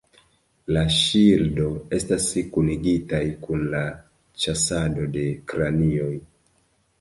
La ŝildoj estas kunigitaj kun la ĉasado de kranioj.